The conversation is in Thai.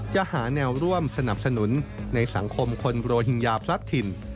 จะหาแนวร่วมสนับสนุนในสังคมคนโรฮิงญาพลัดถิ่น